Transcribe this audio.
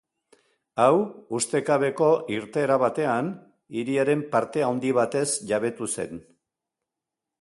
Hau ustekabeko irteera batean hiriaren parte handi batez jabetu zen.